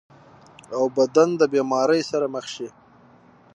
او بدن د بيمارۍ سره مخ شي -